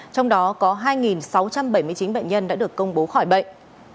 trong đó có hai sáu trăm bảy mươi chín bệnh nhân đã được công bố khỏi bệnh